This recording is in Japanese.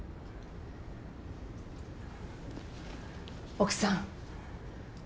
奥さん。